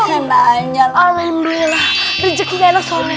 amin alhamdulillah rezekinya anak soleh